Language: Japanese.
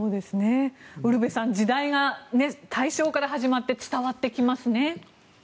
ウルヴェさん時代が大正から始まって伝わってきますね。